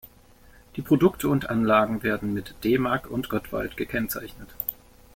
Die Produkte und Anlagen werden mit „Demag“ und „Gottwald“ gekennzeichnet.